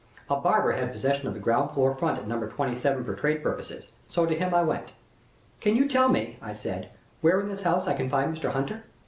A barber had possession of the ground floor front of No. 27 for trade purposes, so to him I went. 'Can you tell me,' I said, 'where in this house I can find Mr. Hunter?'